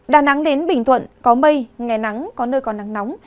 đà nẵng đến bình thuận có mây ngày nắng có nơi còn nắng nóng